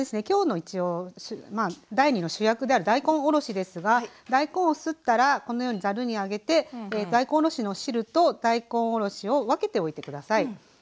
きょうの一応第２の主役である大根おろしですが大根をすったらこのようにざるに上げて大根おろしの汁と大根おろしを分けておいて下さい。